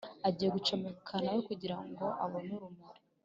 agiye gucomeka nawe kugirango abone umuriro